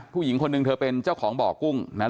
ผู้หญิงคนหนึ่งเธอเป็นเจ้าของบ่อกุ้งนะครับ